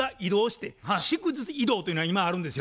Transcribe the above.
祝日移動というのが今あるんですよ。